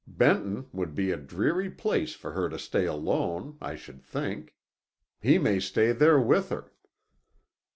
Benton would be a dreary place for her to stay alone, I should think. He may stay there with her."